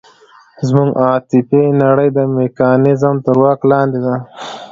زموږ عاطفي نړۍ د میکانیزم تر واک لاندې ده.